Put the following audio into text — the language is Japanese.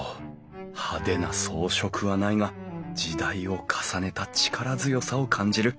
派手な装飾はないが時代を重ねた力強さを感じる。